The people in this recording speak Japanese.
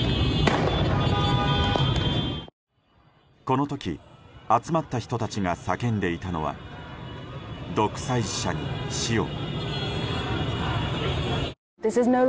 この時集まった人たちが叫んでいたのは独裁者に死を。